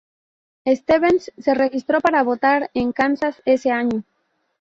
Stevens se registró para votar en Kansas ese año.